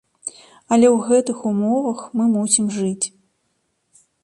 Але ў гэтых умовах мы мусім жыць.